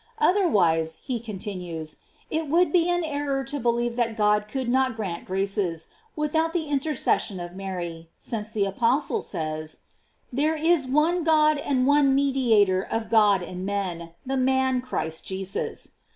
Otherwise, he continues, it would be an error to believe that God could not grant graces, without the intercession of Mary, since the apostle says: "There is one God and one Mediator of God and men, the man Christ Jesus."